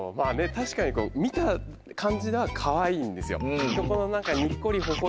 確かにこう見た感じでは可愛いんですよ